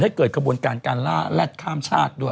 ให้เกิดกระบวนการการล่าแรดข้ามชาติด้วย